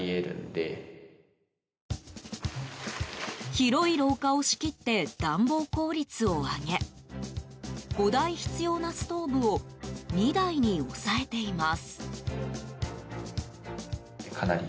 広い廊下を仕切って暖房効率を上げ５台必要なストーブを２台に抑えています。